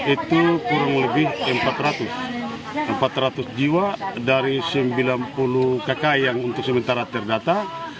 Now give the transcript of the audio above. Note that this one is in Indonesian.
itu kurang lebih empat ratus jiwa dari sembilan puluh kakayang untuk sementara terdata